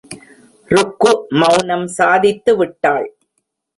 ருக்கு மௌனம் சாதித்துவிட்டாள்.